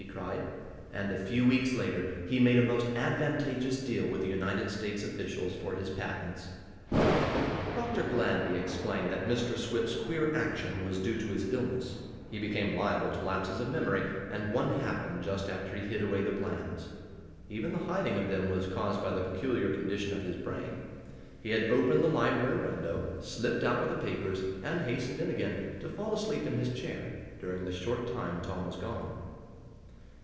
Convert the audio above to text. he cried. And a few weeks later he made a most advantageous deal with the United States officials for his patents. Dr. Gladby explained that Mr. Swift's queer action was due to his illness. He became liable to lapses of memory, and one happened just after he hid away the plans. Even the hiding of them was caused by the peculiar condition of his brain. He had opened the library window, slipped oot with the papers, and hastened in again, to fall asleep in his chair, during the short time Tom was gone.